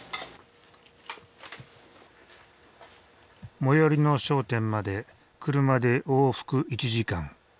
最寄りの商店まで車で往復１時間。